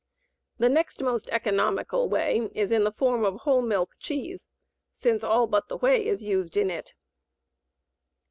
The next most economical way is in the form of whole milk cheese, since all but the whey is used in it.